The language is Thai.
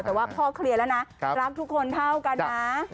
แต่ว่าพ่อเคลียร์แล้วนะรักทุกคนเท่ากันนะ